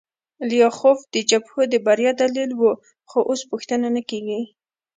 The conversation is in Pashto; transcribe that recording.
لیاخوف د جبهو د بریا دلیل و خو اوس پوښتنه نه کیږي